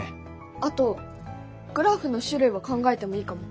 あとグラフの種類を考えてもいいかも。